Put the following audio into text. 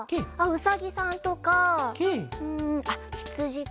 うさぎさんとかうんあっひつじとやぎと。